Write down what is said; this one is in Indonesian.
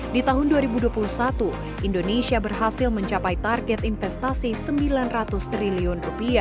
di tahun dua ribu dua puluh satu indonesia berhasil mencapai target investasi rp sembilan ratus triliun